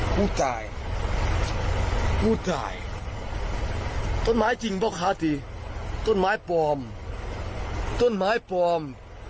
พูดได้พูดได้ต้นไม้จริงเปล่าค่ะที่ต้นไม้ปลอมต้นไม้ปลอม